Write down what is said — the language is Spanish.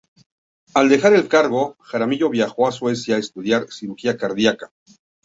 Al dejar el cargo, Jaramillo viajó a Suecia a estudiar cirugía cardíaca.